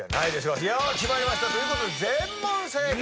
決まりました！ということで全問正解。